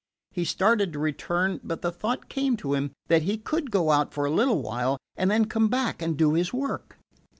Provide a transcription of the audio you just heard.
He started to return, but the thought came to him that he could go out for a little while and then come back and do his work.